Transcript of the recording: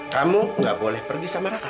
kamu gak boleh pergi sama mereka